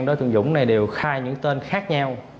đối tượng dũng này đều khai những tên khác nhau